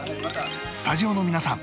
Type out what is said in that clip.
スタジオの皆さん